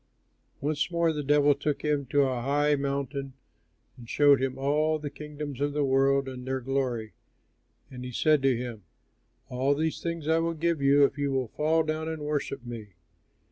'" Once more the devil took him to a high mountain and showed him all the kingdoms of the world and their glory, and he said to him, "All these things I will give you if you will fall down and worship me."